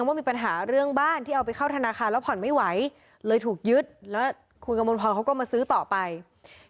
นายเดชาน์เป็นคนไม่สูงษีกับใคร